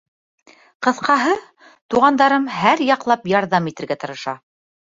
Ҡыҫҡаһы, туғандарым һәр яҡлап ярҙам итергә тырыша.